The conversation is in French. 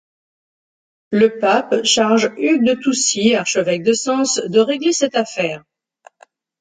Le pape charge Hugues de Toucy, archevêque de Sens, de régler cette affaire.